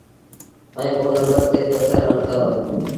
ائيٚݩ پو نمبر تي پٿر هڻتآ وهو۔